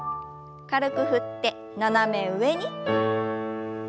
軽く振って斜め上に。